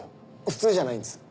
普通じゃないんです。